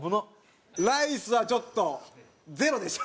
ライスはちょっと０でした。